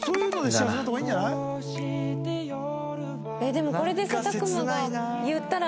でもこれでさ拓真が言ったら。